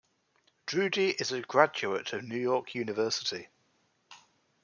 Drudy is a graduate of New York University.